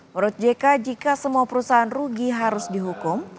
menurut jk jika semua perusahaan rugi harus dihukum